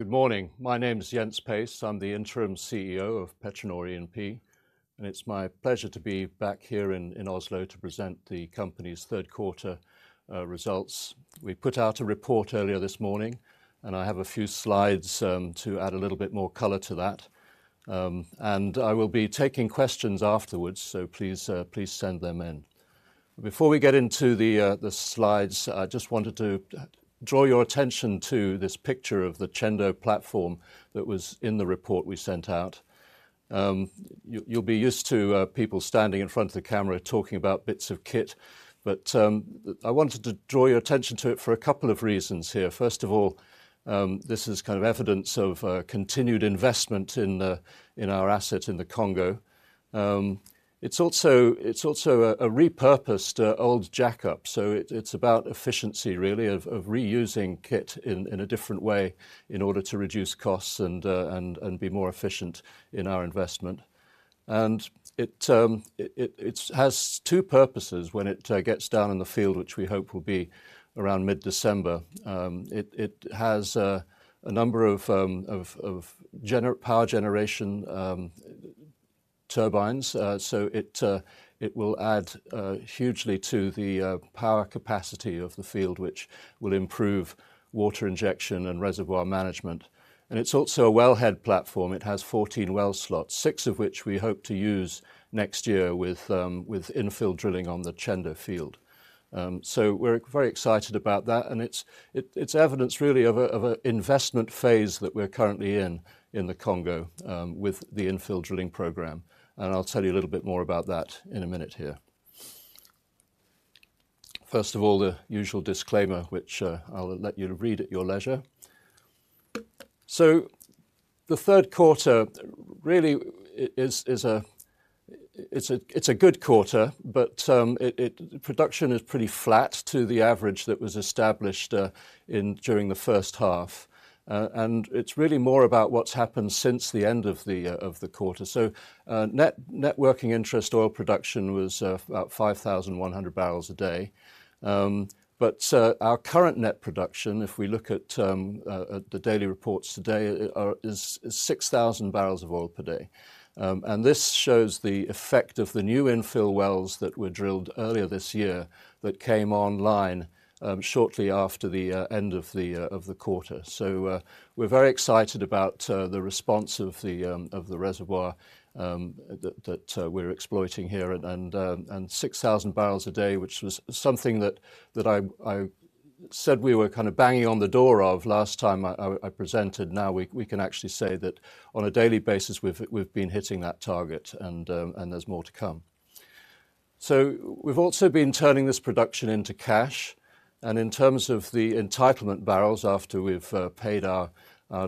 Good morning. My name is Jens Pace. I'm the interim CEO of PetroNor E&P, and it's my pleasure to be back here in Oslo to present the company's third quarter results. We put out a report earlier this morning, and I have a few slides to add a little bit more color to that. And I will be taking questions afterwards, so please, please send them in. Before we get into the slides, I just wanted to draw your attention to this picture of the Tchendo platform that was in the report we sent out. You'll be used to people standing in front of the camera talking about bits of kit, but I wanted to draw your attention to it for a couple of reasons here. First of all, this is kind of evidence of continued investment in our assets in the Congo. It's also a repurposed old jackup, so it's about efficiency, really, of reusing kit in a different way in order to reduce costs and be more efficient in our investment. And it has two purposes when it gets down in the field, which we hope will be around mid-December. It has a number of power generation turbines. So it will add hugely to the power capacity of the field, which will improve water injection and reservoir management. And it's also a wellhead platform. It has 14 well slots, six of which we hope to use next year with infill drilling on the Tchendo field. So we're very excited about that, and it's evidence really of an investment phase that we're currently in, in the Congo, with the infill drilling program. And I'll tell you a little bit more about that in a minute here. First of all, the usual disclaimer, which I'll let you read at your leisure. So the third quarter really is a good quarter, but it. Production is pretty flat to the average that was established during the first half. And it's really more about what's happened since the end of the quarter. So, net working interest oil production was about 5,100 barrels a day. But our current net production, if we look at the daily reports today, is 6,000 barrels of oil per day. And this shows the effect of the new infill wells that were drilled earlier this year that came online shortly after the end of the quarter. So, we're very excited about the response of the reservoir that we're exploiting here. And 6,000 barrels a day, which was something that I said we were kind of banging on the door of last time I presented. Now we can actually say that on a daily basis, we've been hitting that target, and and there's more to come. So we've also been turning this production into cash, and in terms of the entitlement barrels, after we've paid our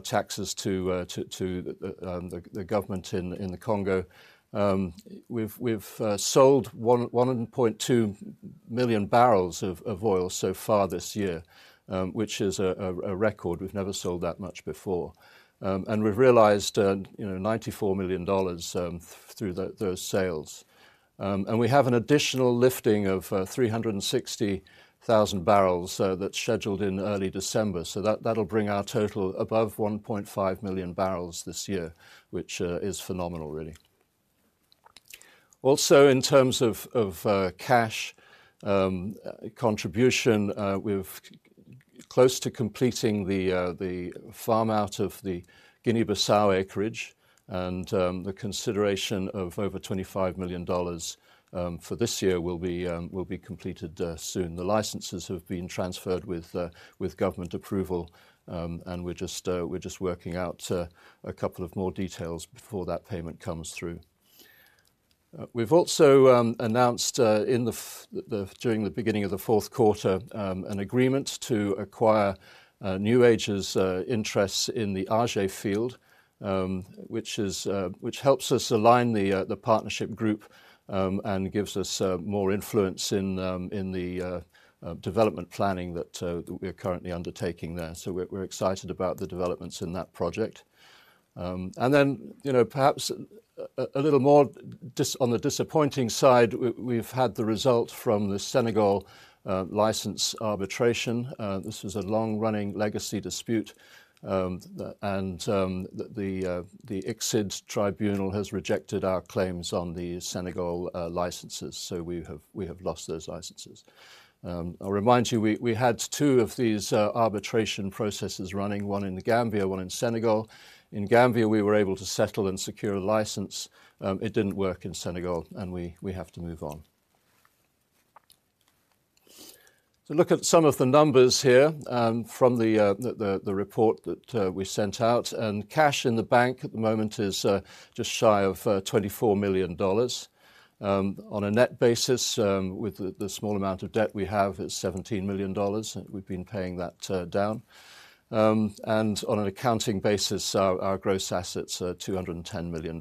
taxes to the government in the Congo, we've sold 1.2 million barrels of oil so far this year, which is a record. We've never sold that much before. And we've realized, you know, $94 million through those sales. And we have an additional lifting of 360,000 barrels that's scheduled in early December. So that that'll bring our total above 1.5 million barrels this year, which is phenomenal, really. Also, in terms of cash contribution, we've close to completing the farm out of the Guinea-Bissau acreage, and the consideration of over $25 million for this year will be completed soon. The licenses have been transferred with government approval, and we're just working out a couple of more details before that payment comes through. We've also announced during the beginning of the fourth quarter an agreement to acquire New Age's interests in the Aje field, which helps us align the partnership group and gives us more influence in the development planning that we're currently undertaking there. So we're excited about the developments in that project. And then, you know, perhaps a little more on the disappointing side, we've had the result from the Senegal license arbitration. This was a long-running legacy dispute, and the ICSID tribunal has rejected our claims on the Senegal licenses, so we have lost those licenses. I'll remind you, we had two of these arbitration processes running, one in The Gambia, one in Senegal. In Gambia, we were able to settle and secure a license. It didn't work in Senegal, and we have to move on. So look at some of the numbers here from the report that we sent out. And cash in the bank at the moment is just shy of $24 million. On a net basis, with the small amount of debt we have, it's $17 million, and we've been paying that down. On an accounting basis, our gross assets are $210 million.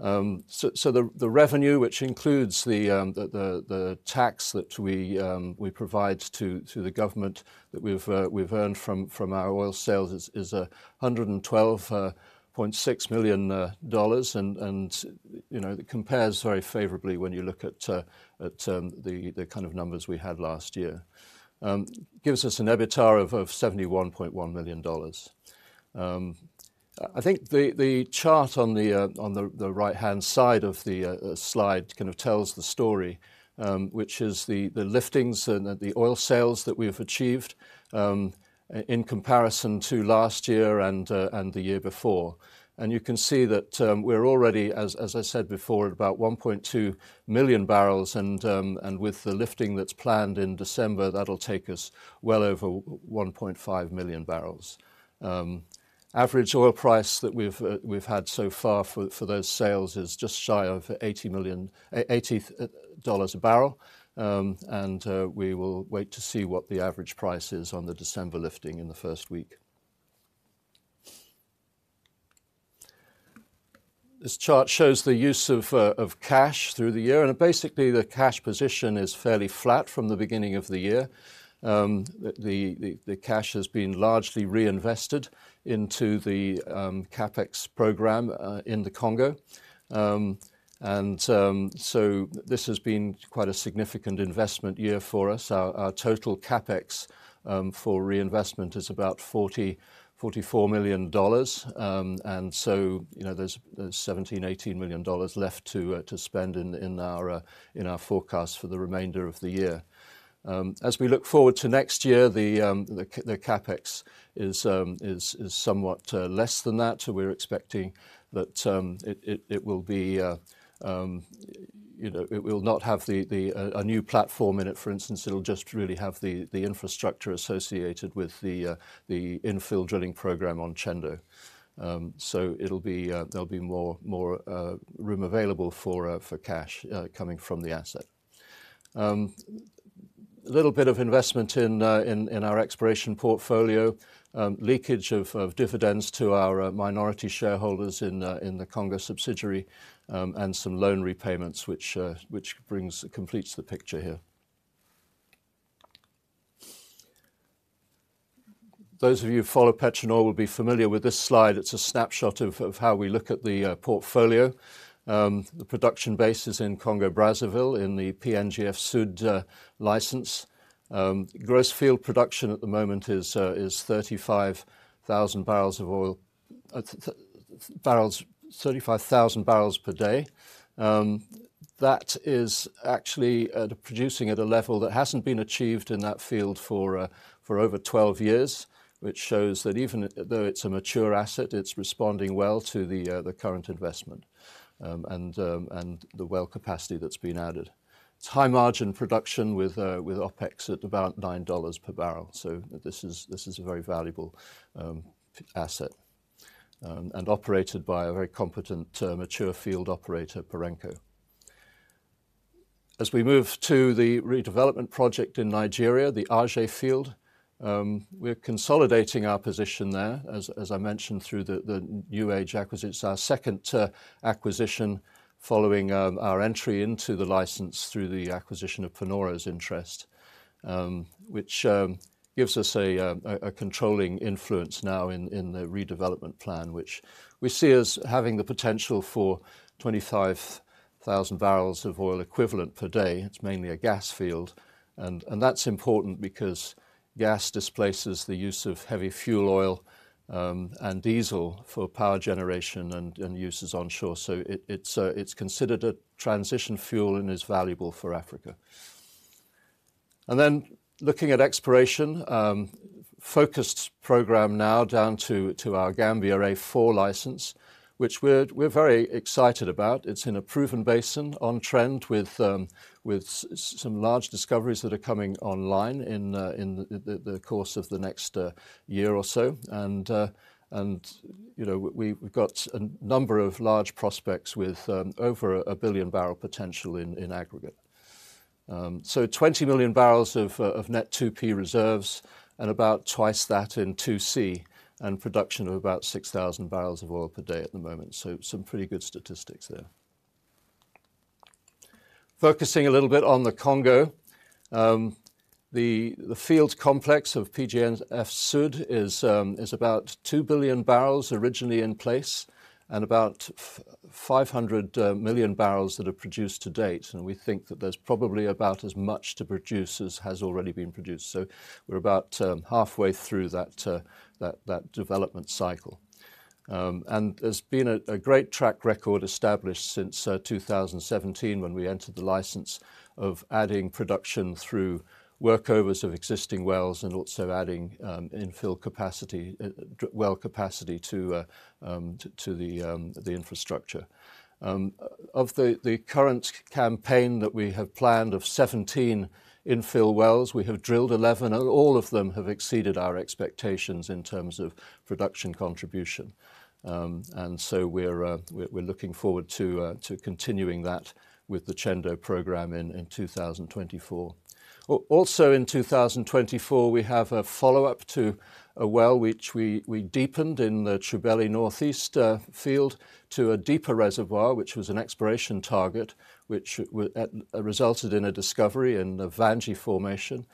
So, the revenue, which includes the tax that we provide to the government that we've earned from our oil sales, is $112.6 million. And, you know, it compares very favorably when you look at the kind of numbers we had last year. It gives us an EBITDA of $71.1 million. I think the chart on the right-hand side of the slide kind of tells the story, which is the liftings and the oil sales that we have achieved, in comparison to last year and the year before. And you can see that, we're already as I said before, at about 1.2 million barrels, and with the lifting that's planned in December, that'll take us well over 1.5 million barrels. Average oil price that we've had so far for those sales is just shy of $80 a barrel. And we will wait to see what the average price is on the December lifting in the first week. This chart shows the use of cash through the year, and basically, the cash position is fairly flat from the beginning of the year. The cash has been largely reinvested into the CapEx program in the Congo. And so this has been quite a significant investment year for us. Our total CapEx for reinvestment is about $44 million. And so, you know, there's $17-$18 million left to spend in our forecast for the remainder of the year. As we look forward to next year, the CapEx is somewhat less than that. So we're expecting that it will be, you know... It will not have a new platform in it, for instance. It'll just really have the infrastructure associated with the infill drilling program on Tchendo. So it'll be there'll be more room available for cash coming from the asset. Little bit of investment in our exploration portfolio, leakage of dividends to our minority shareholders in the Congo subsidiary, and some loan repayments, which completes the picture here. Those of you who follow PetroNor will be familiar with this slide. It's a snapshot of how we look at the portfolio. The production base is in Congo Brazzaville in the PNGF Sud license. Gross field production at the moment is 35,000 barrels of oil th-barrels... 35,000 barrels per day. That is actually producing at a level that hasn't been achieved in that field for over 12 years, which shows that even though it's a mature asset, it's responding well to the current investment and the well capacity that's been added. It's high-margin production with OpEx at about $9 per barrel, so this is a very valuable asset and operated by a very competent mature field operator, Perenco. As we move to the redevelopment project in Nigeria, the Aje field, we're consolidating our position there, as I mentioned, through the New Age acquisition. It's our second acquisition following our entry into the license through the acquisition of Panoro's interest, which gives us a controlling influence now in the redevelopment plan, which we see as having the potential for 25,000 barrels of oil equivalent per day. It's mainly a gas field, and that's important because gas displaces the use of heavy fuel oil and diesel for power generation and uses onshore. So it's considered a transition fuel and is valuable for Africa. And then, looking at exploration, focused program now down to our Gambia A4 license, which we're very excited about. It's in a proven basin on trend with some large discoveries that are coming online in the course of the next year or so. And, you know, we've got a number of large prospects with over a billion barrel potential in aggregate. So 20 million barrels of net 2P reserves and about twice that in 2C, and production of about 6,000 barrels of oil per day at the moment. So some pretty good statistics there. Focusing a little bit on the Congo, the field complex of PNGF Sud is about 2 billion barrels originally in place and about 500 million barrels that are produced to date, and we think that there's probably about as much to produce as has already been produced. So we're about halfway through that development cycle. And there's been a great track record established since 2017, when we entered the license of adding production through workovers of existing wells and also adding infill capacity, well capacity to the infrastructure. Of the current campaign that we have planned of 17 infill wells, we have drilled 11, and all of them have exceeded our expectations in terms of production contribution. And so we're looking forward to continuing that with the Tchendo program in 2024. Also in 2024, we have a follow-up to a well, which we deepened in the Tchibeli Northeast field, to a deeper reservoir, which was an exploration target, which resulted in a discovery in the Vandji Formation.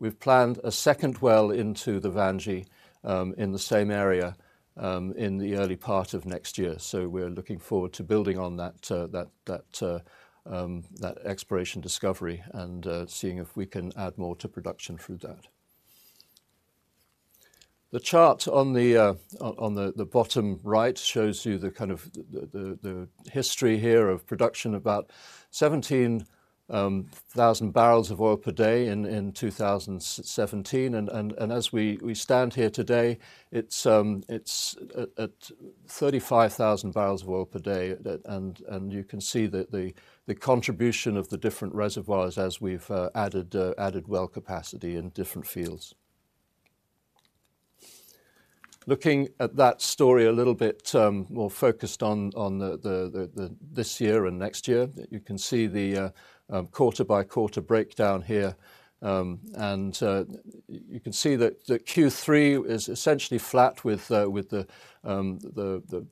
We've planned a second well into the Vandji, in the same area, in the early part of next year. So we're looking forward to building on that exploration discovery and seeing if we can add more to production through that. The chart on the bottom right shows you the kind of the history here of production, about 17,000 barrels of oil per day in 2017. And as we stand here today, it's at 35,000 barrels of oil per day. That and you can see that the contribution of the different reservoirs as we've added well capacity in different fields. Looking at that story a little bit more focused on this year and next year, you can see the QoQ breakdown here. You can see that the Q3 is essentially flat with the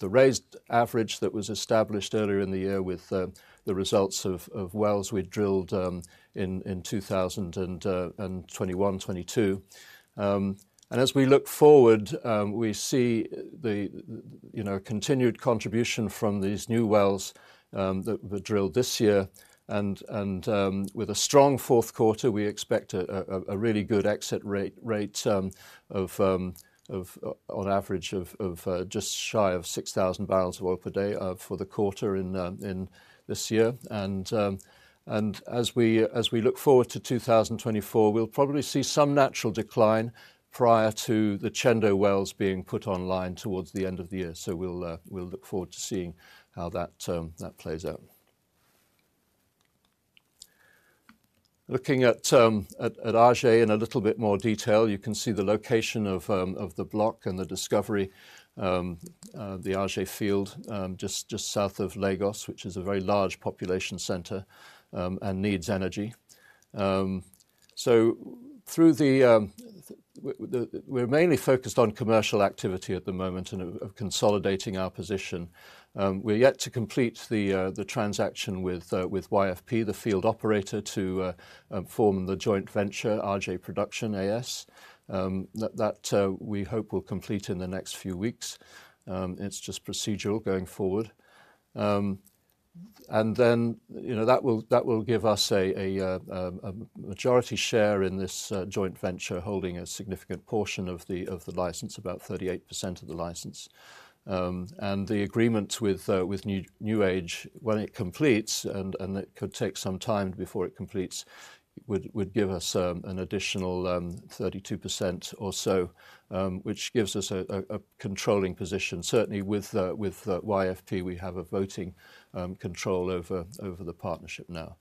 raised average that was established earlier in the year with the results of wells we drilled in 2021 and 2022. And as we look forward, we see, you know, continued contribution from these new wells that were drilled this year. And with a strong fourth quarter, we expect a really good exit rate on average of just shy of 6,000 barrels of oil per day for the quarter in this year. As we look forward to 2024, we'll probably see some natural decline prior to the Tchendo wells being put online towards the end of the year. So we'll look forward to seeing how that plays out. Looking at Aje in a little bit more detail, you can see the location of the block and the discovery, the Aje field, just south of Lagos, which is a very large population center, and needs energy. So we're mainly focused on commercial activity at the moment and of consolidating our position. We're yet to complete the transaction with YFP, the field operator, to form the joint venture, Aje Production AS. That we hope will complete in the next few weeks. It's just procedural going forward. And then, you know, that will give us a majority share in this joint venture, holding a significant portion of the license, about 38% of the license. And the agreement with New Age, when it completes, and it could take some time before it completes, would give us an additional 32% or so, which gives us a controlling position. Certainly with YFP, we have a voting control over the partnership now.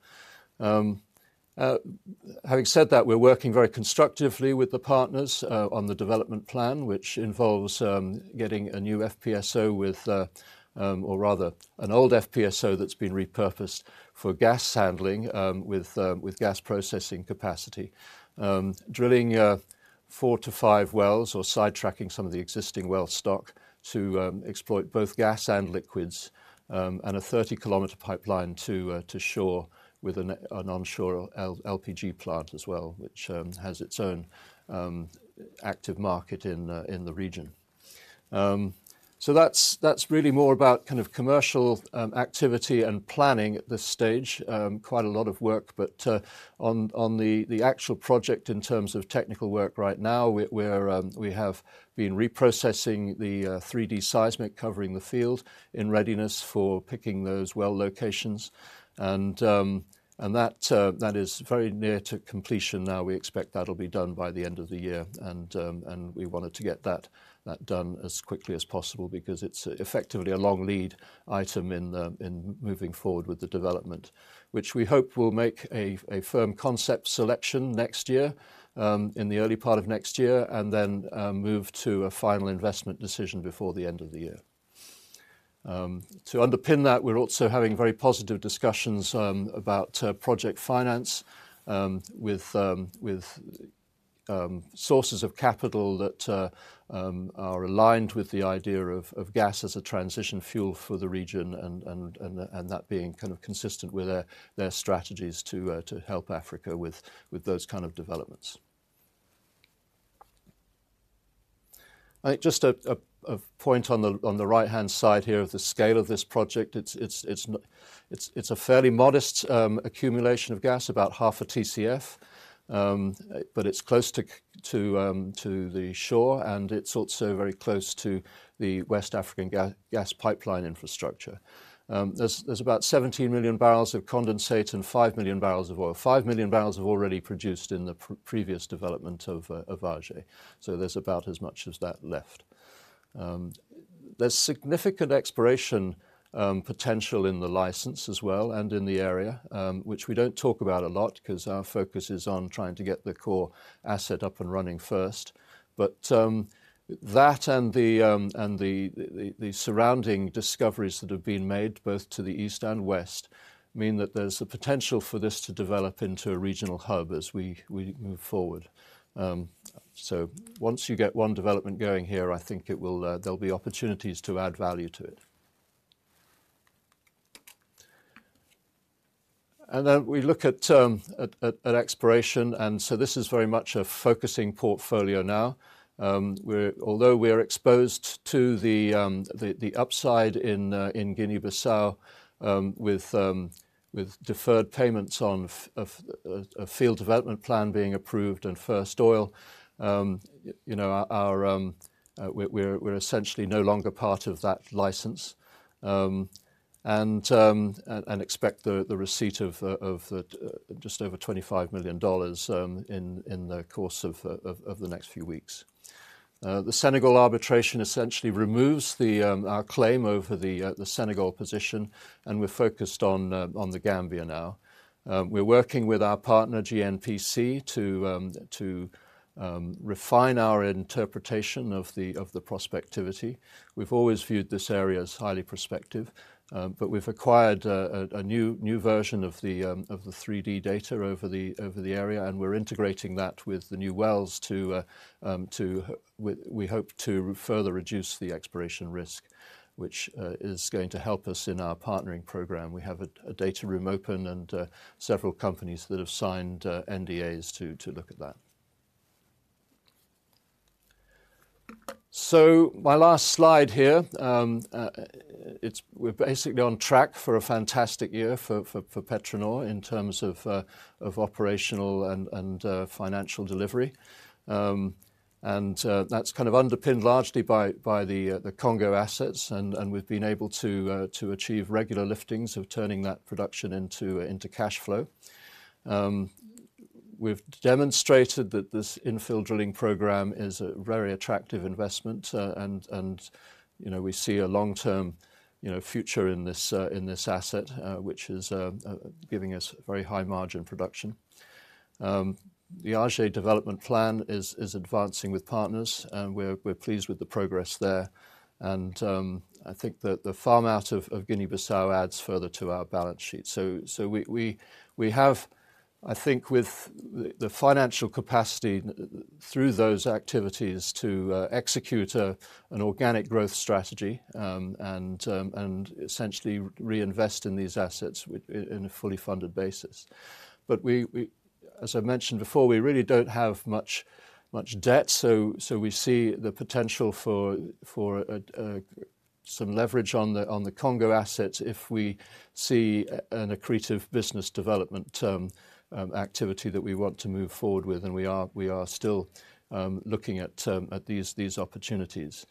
Having said that, we're working very constructively with the partners on the development plan, which involves getting a new FPSO with, or rather an old FPSO that's been repurposed for gas handling, with gas processing capacity. Drilling 4-5 wells or sidetracking some of the existing well stock to exploit both gas and liquids, and a 30 km pipeline to shore, with an onshore LPG plant as well, which has its own active market in the region. So that's really more about kind of commercial activity and planning at this stage. Quite a lot of work, but on the actual project in terms of technical work right now, we have been reprocessing the 3D seismic covering the field in readiness for picking those well locations. And that is very near to completion now. We expect that'll be done by the end of the year. And we wanted to get that done as quickly as possible because it's effectively a long lead item in the... in moving forward with the development, which we hope will make a firm concept selection next year, in the early part of next year, and then move to a final investment decision before the end of the year. To underpin that, we're also having very positive discussions about project finance with sources of capital that are aligned with the idea of gas as a transition fuel for the region and that being kind of consistent with their strategies to help Africa with those kind of developments. Just a point on the right-hand side here of the scale of this project. It's a fairly modest accumulation of gas, about half a TCF, but it's close to the shore, and it's also very close to the West African Gas Pipeline infrastructure. There's about 17 million barrels of condensate and 5 million barrels of oil. 5 million barrels have already produced in the previous development of Aje, so there's about as much as that left. There's significant exploration potential in the license as well, and in the area, which we don't talk about a lot because our focus is on trying to get the core asset up and running first. But that and the surrounding discoveries that have been made, both to the east and west, mean that there's the potential for this to develop into a regional hub as we move forward. So once you get one development going here, I think it will there'll be opportunities to add value to it. And then we look at exploration, and so this is very much a focusing portfolio now. We're although we are exposed to the upside in Guinea-Bissau with deferred payments on a field development plan being approved and first oil. You know, we're essentially no longer part of that license. And expect the receipt of the just over $25 million in the course of the next few weeks. The Senegal arbitration essentially removes our claim over the Senegal position, and we're focused on The Gambia now. We're working with our partner, GNPC, to refine our interpretation of the prospectivity. We've always viewed this area as highly prospective, but we've acquired a new version of the 3D data over the area, and we're integrating that with the new wells to we hope to further reduce the exploration risk, which is going to help us in our partnering program. We have a data room open and several companies that have signed NDAs to look at that. So my last slide here, it's... We're basically on track for a fantastic year for PetroNor in terms of operational and financial delivery. And that's kind of underpinned largely by the Congo assets, and we've been able to achieve regular liftings, turning that production into cash flow. We've demonstrated that this infill drilling program is a very attractive investment, and you know, we see a long-term, you know, future in this asset, which is giving us very high margin production. The Aje development plan is advancing with partners, and we're pleased with the progress there. I think that the farm-out of Guinea-Bissau adds further to our balance sheet. So we have, I think, with the financial capacity through those activities to execute an organic growth strategy, and essentially reinvest in these assets in a fully funded basis. But we, as I mentioned before, we really don't have much debt, so we see the potential for some leverage on the Congo assets if we see an accretive business development activity that we want to move forward with, and we are still looking at these opportunities.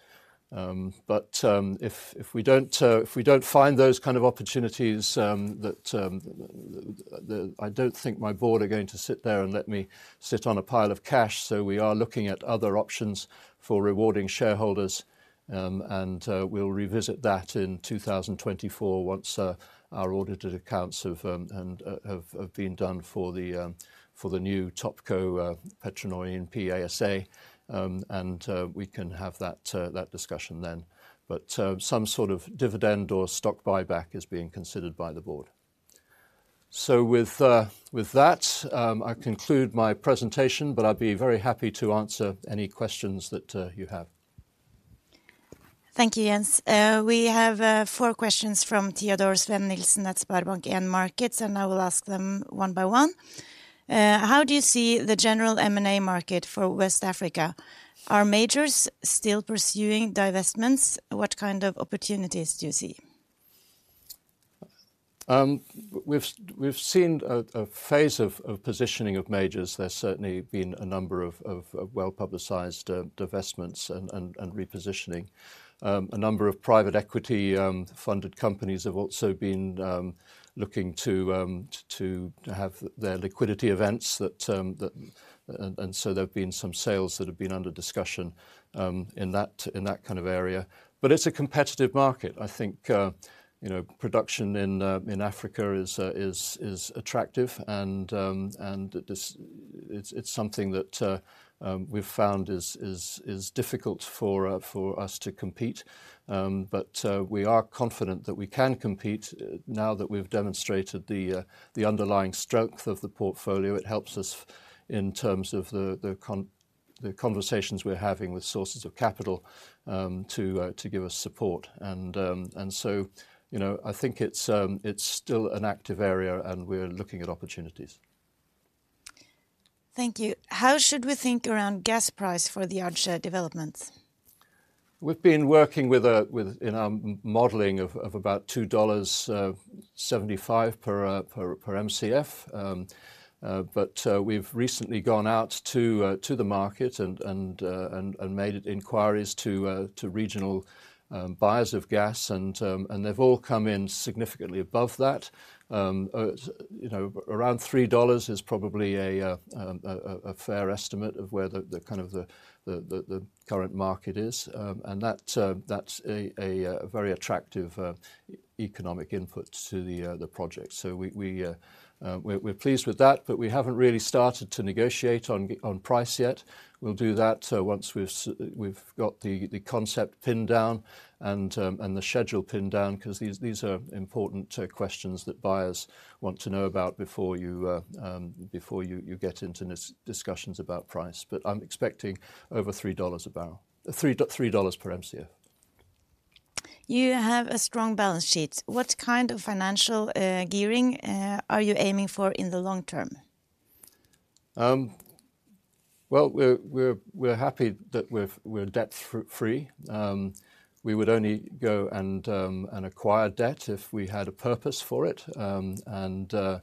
But if we don't find those kind of opportunities, I don't think my board are going to sit there and let me sit on a pile of cash, so we are looking at other options for rewarding shareholders. And we'll revisit that in 2024 once our audited accounts have been done for the new Topco, PetroNor E&P ASA. We can have that discussion then. But some sort of dividend or stock buyback is being considered by the board. So with that, I conclude my presentation, but I'd be very happy to answer any questions that you have. Thank you, Jens. We have four questions from Teodor Sveen-Nilsen at SpareBank 1 Markets, and I will ask them one by one. How do you see the general M&A market for West Africa? Are majors still pursuing divestments? What kind of opportunities do you see? We've seen a phase of positioning of majors. There's certainly been a number of well-publicized divestments and repositioning. A number of private equity funded companies have also been looking to have their liquidity events that... And so there have been some sales that have been under discussion in that kind of area. But it's a competitive market. I think, you know, production in Africa is attractive, and this, it's something that we've found is difficult for us to compete. But we are confident that we can compete now that we've demonstrated the underlying strength of the portfolio. It helps us in terms of the conversations we're having with sources of capital to give us support. And so, you know, I think it's still an active area, and we're looking at opportunities. Thank you. How should we think around gas price for the Aje developments? We've been working with in our modeling of about $2.75 per MCF. But we've recently gone out to the market and made inquiries to regional buyers of gas, and they've all come in significantly above that. You know, around $3 is probably a fair estimate of where the kind of current market is. And that's a very attractive economic input to the project. So we're pleased with that, but we haven't really started to negotiate on gas price yet. We'll do that once we've got the concept pinned down and the schedule pinned down, 'cause these are important questions that buyers want to know about before you get into negotiations about price. But I'm expecting over $3 a barrel... $3 per MCF.... You have a strong balance sheet. What kind of financial gearing are you aiming for in the long term? Well, we're happy that we're debt-free. We would only go and acquire debt if we had a purpose for it. And,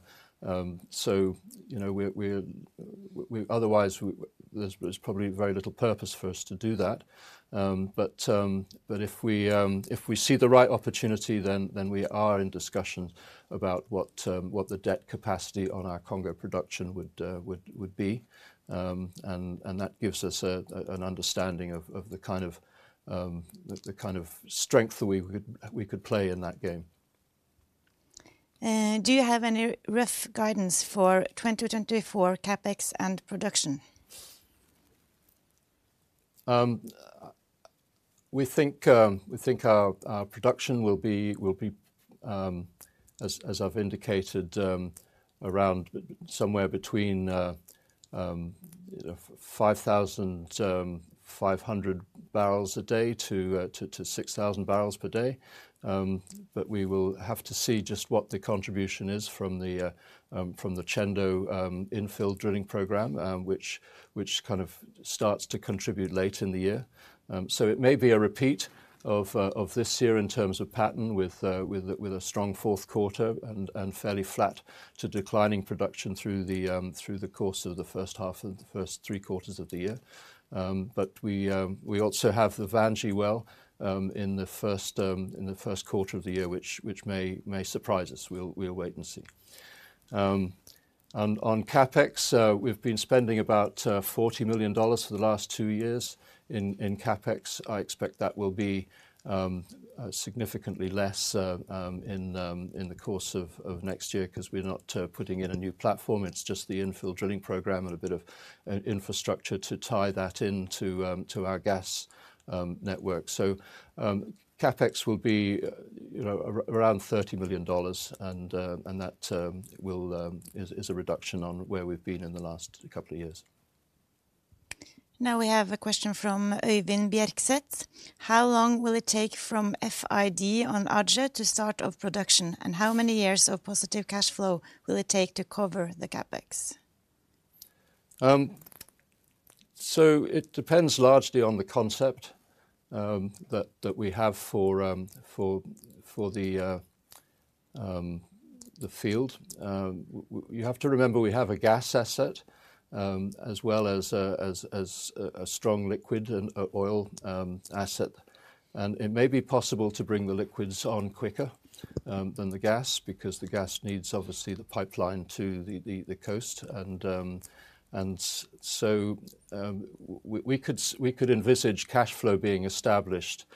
so, you know, we're otherwise – there's probably very little purpose for us to do that. But if we see the right opportunity, then we are in discussions about what the debt capacity on our Congo production would be. And that gives us an understanding of the kind of strength that we could play in that game. Do you have any rough guidance for 2024 CapEx and production? We think our production will be, as I've indicated, around somewhere between, you know, 5,500 barrels a day to 6,000 barrels per day. But we will have to see just what the contribution is from the Tchendo infill drilling program, which kind of starts to contribute late in the year. So it may be a repeat of this year in terms of pattern with a strong fourth quarter and fairly flat to declining production through the course of the first half and the first three quarters of the year. But we also have the Vandji well in the first quarter of the year, which may surprise us. We'll wait and see. And on CapEx, we've been spending about $40 million for the last two years in CapEx. I expect that will be significantly less in the course of next year, 'cause we're not putting in a new platform. It's just the infill drilling program and a bit of infrastructure to tie that into our gas network. So, CapEx will be, you know, around $30 million, and that is a reduction on where we've been in the last couple of years. Now, we have a question from Øyvind Berset. "How long will it take from FID on Aje to start of production, and how many years of positive cash flow will it take to cover the CapEx? So it depends largely on the concept that we have for the field. We have to remember, we have a gas asset as well as a strong liquid and oil asset. And it may be possible to bring the liquids on quicker than the gas, because the gas needs obviously the pipeline to the coast. And so we could envisage cash flow being established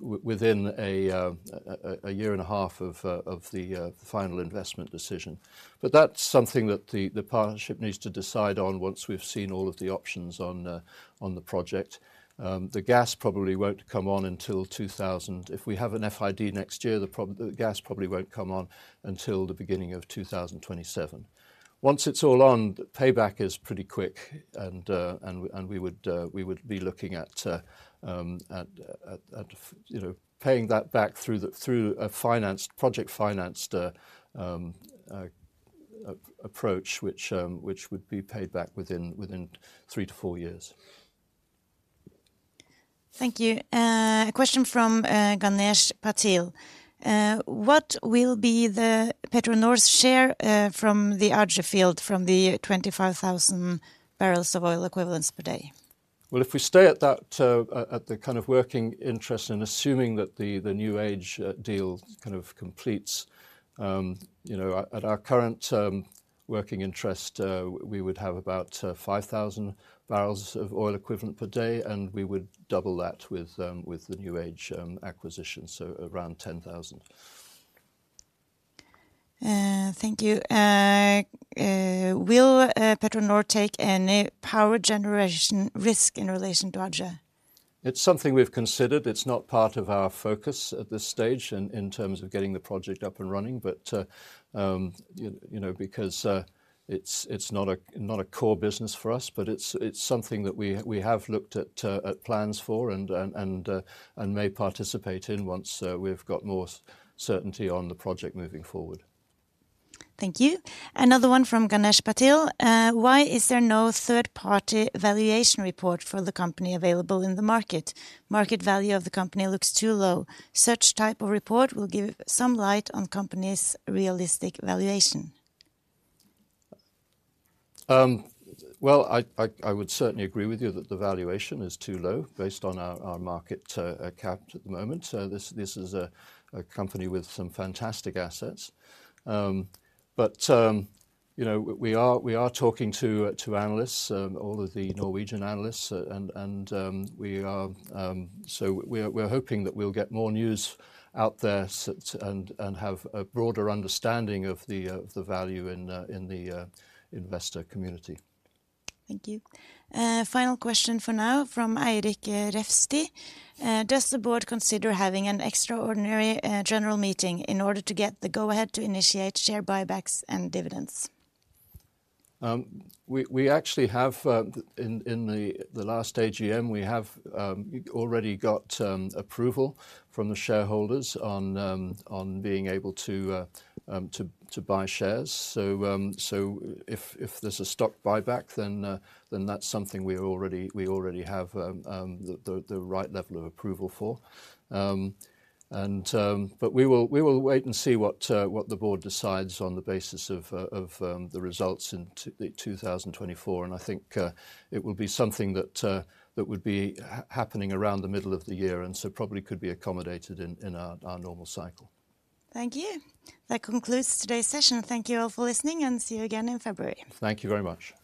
within a year and a half of the Final Investment Decision. But that's something that the partnership needs to decide on once we've seen all of the options on the project. The gas probably won't come on until 2000... If we have an FID next year, the gas probably won't come on until the beginning of 2027. Once it's all on, payback is pretty quick, and we would be looking at, you know, paying that back through a financed, project financed approach, which would be paid back within 3-4 years. Thank you. A question from Ganesh Patil. "What will be the PetroNor's share from the Aje field, from the 25,000 barrels of oil equivalents per day? Well, if we stay at that, at the kind of working interest, and assuming that the New Age deal kind of completes, you know, at our current working interest, we would have about 5,000 barrels of oil equivalent per day, and we would double that with the New Age acquisition, so around 10,000. Thank you. Will PetroNor take any power generation risk in relation to Aje? It's something we've considered. It's not part of our focus at this stage in terms of getting the project up and running, but you know, because it's not a core business for us. But it's something that we have looked at plans for and may participate in once we've got more certainty on the project moving forward. Thank you. Another one from Ganesh Patil: "Why is there no third-party valuation report for the company available in the market? Market value of the company looks too low. Such type of report will give some light on company's realistic valuation. Well, I would certainly agree with you that the valuation is too low, based on our market cap at the moment. This is a company with some fantastic assets. But you know, we are talking to analysts, all of the Norwegian analysts, and we are... So we're hoping that we'll get more news out there so to... And have a broader understanding of the value in the investor community. Thank you. Final question for now from Eirik Refstie. "Does the board consider having an extraordinary general meeting in order to get the go-ahead to initiate share buybacks and dividends? We actually have in the last AGM already got approval from the shareholders on being able to buy shares. So, if there's a stock buyback, then that's something we already have the right level of approval for. But we will wait and see what the board decides on the basis of the results in 2024. And I think it will be something that would be happening around the middle of the year, and so probably could be accommodated in our normal cycle. Thank you. That concludes today's session. Thank you all for listening, and see you again in February. Thank you very much.